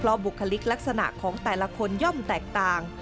บุคลิกลักษณะของแต่ละคนย่อมแตกต่าง